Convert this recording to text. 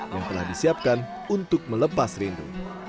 yang telah disiapkan untuk melepas rindu